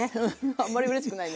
あんまりうれしくないね。